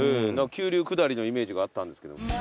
急流下りのイメージがあったんですけど。